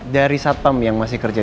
dari satpam yang masih kerja